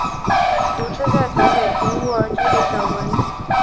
独自在台北赁屋而居的小文。